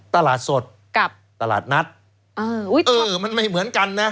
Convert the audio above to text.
ตลาดสดตลาดนัดมันไม่เหมือนกันนะ